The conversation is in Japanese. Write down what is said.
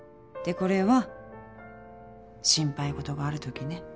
でこれは心配事があるときね。